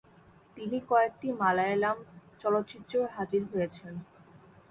তিনি কয়েকটি মালায়ালাম চলচ্চিত্রেও হাজির হয়েছেন।